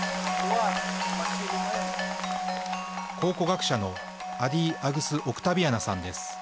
考古学者のアディ・アグス・オクタビアナさんです。